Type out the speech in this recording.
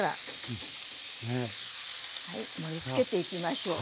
盛りつけていきましょう。